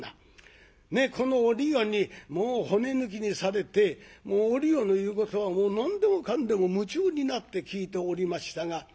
このおりよにもう骨抜きにされておりよの言うことは何でもかんでも夢中になって聞いておりましたが。